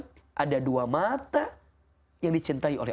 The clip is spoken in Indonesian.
yang sangat dicintai allah